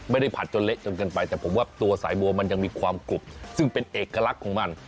ผัดจนเละจนเกินไปแต่ผมว่าตัวสายบัวมันยังมีความกรุบซึ่งเป็นเอกลักษณ์ของมัน